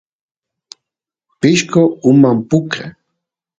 pishqo uman puka